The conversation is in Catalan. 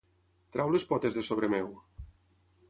Treu les potes de sobre meu!